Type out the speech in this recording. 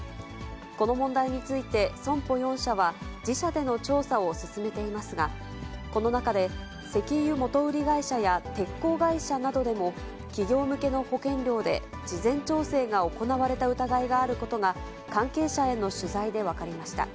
この問題について、損保４社は、自社での調査を進めていますが、この中で、石油元売り会社や鉄鋼会社などでも、企業向けの保険料で事前調整が行われた疑いがあることが、関係者への取材で分かりました。